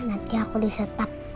nanti aku disetup